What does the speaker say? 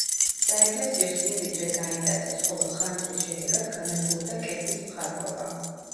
საეკლესიო სიმდიდრე დაიტაცეს, ხოლო ხანძრის შედეგად განადგურდა კედლის მხატვრობა.